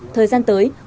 thời gian tự nhiên